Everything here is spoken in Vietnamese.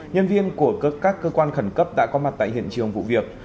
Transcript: nhân viên của các cơ quan khẩn cấp đã có mặt tại hiện trường vụ việc